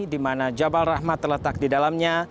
dimana jabal rahmah terletak di dalamnya